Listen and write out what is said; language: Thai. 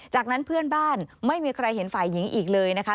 จากนั้นเพื่อนบ้านไม่มีใครเห็นฝ่ายหญิงอีกเลยนะคะ